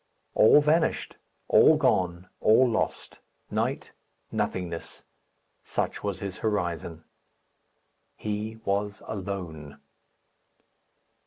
All vanished, all gone, all lost night nothingness. Such was his horizon. He was alone.